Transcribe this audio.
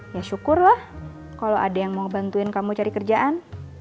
ya syukur lah kalo ada yang mau bantuin kamu cari kerjaan